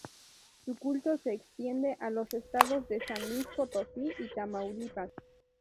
Su culto se extiende a los estados de San Luis Potosí y Tamaulipas.